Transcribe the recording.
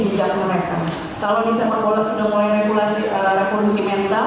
dan kita juga sudah harus mulai